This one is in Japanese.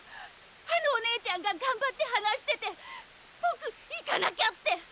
あのお姉ちゃんが頑張って話してて僕行かなきゃって！